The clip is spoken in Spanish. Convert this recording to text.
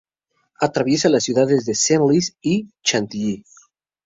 Atraviesa las ciudades de Senlis y Chantilly.